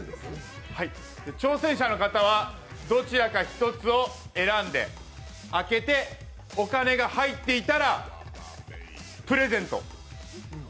挑戦者の方はどちらか１つを選んで開けて、お金が入っていたらプレゼント。